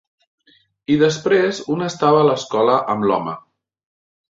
I després un estava a l'escola amb l'home.